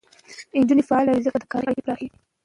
نجونې فعاله وي، ځکه د همکارۍ اړیکې پراخېږي.